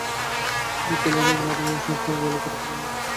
ভিড় ঠেলে অনেক নারীও আসেন টঙ্গী এলাকায় আখেরি মোনাজাতে অংশ নিতে।